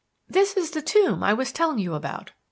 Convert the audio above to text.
This is the tomb I was telling you about."